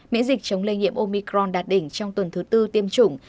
miễn dịch chống lây nhiễm omicron đạt đỉnh trong tuần thứ tư tiêm chủng